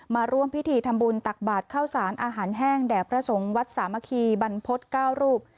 มาร่วมพิธีทำบุญตักบาทข้าวสารอาหารแห้งแด่พระสงฆ์วัดสามัคคีบรรพฤษ๙รูป